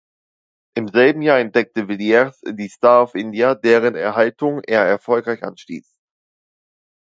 Im selben Jahr entdeckte Villiers die "Star of India", deren Erhaltung er erfolgreich anstieß.